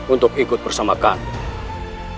untuk ikut bersama kami